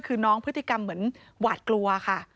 คือน้องพฤติกรรมเหมือนหวาดกลัวค่ะ